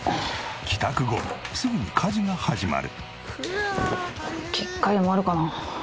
帰宅後すぐに家事が始まる。